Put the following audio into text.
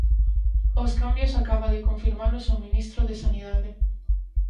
Os cambios acaba de confirmalos o ministro de Sanidade.